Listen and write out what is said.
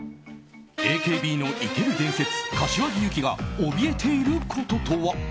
ＡＫＢの生ける伝説柏木由紀がおびえていることとは？